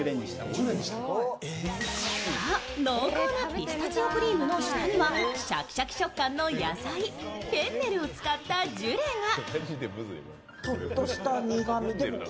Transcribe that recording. ピスタチオクリームの下にはシャキシャキ食感の野菜、フェンネルを使ったジュレが。